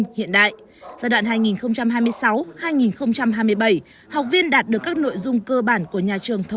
giai đoạn hai nghìn hai mươi tám hai nghìn ba mươi trở thành nhà trường thông minh hiện đại tốt đầu về đào tạo nghiên cứu khoa học quân sự